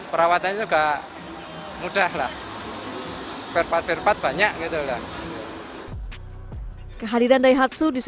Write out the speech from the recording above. perawatannya juga mudah lah perpat perpat banyak gitu lah